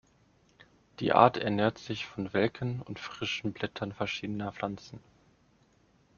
Die Art ernährt sich von welken und frischen Blättern verschiedener Pflanzen.